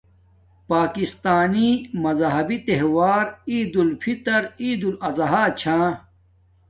پاکستانی مزہبی تہوار عید الفطر عیدالاضہی چھا